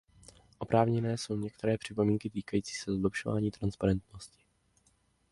Oprávněné jsou některé připomínky týkající se zlepšování transparentnosti.